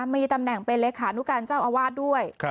มีตำแหน่งเป็นเลขานุการเจ้าอาวาสด้วย